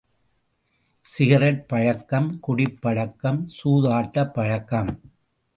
Cigarette பழக்கம், குடிப் பழக்கம், சூதாட்டப் பழக்கம்.